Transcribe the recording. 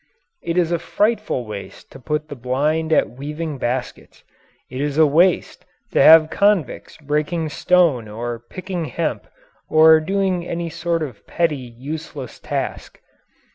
It is a frightful waste to put the blind at weaving baskets. It is waste to have convicts breaking stone or picking hemp or doing any sort of petty, useless task.